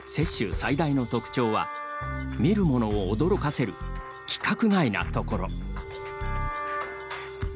最大の特徴は見るものを驚かせる規格外なところ。